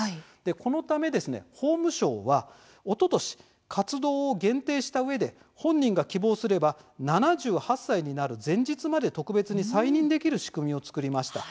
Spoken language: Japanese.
このため法務省は、おととし活動を限定したうえで本人が希望すれば７８歳になる前日まで特別に再任できる仕組みを作りました。